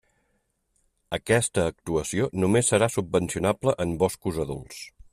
Aquesta actuació només serà subvencionable en boscos adults.